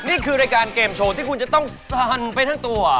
นี่คือรายการเกมโชว์ที่คุณจะต้องสั่นไปทั้งตัว